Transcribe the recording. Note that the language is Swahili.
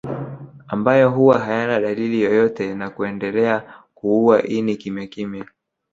Ambayo huwa hayana dalili yoyote na kuendelea kuua ini kimyakimya